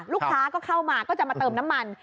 ลูกค้าก็เข้ามาก็จะมาเติมน้ำมัน